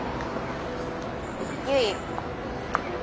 ゆい。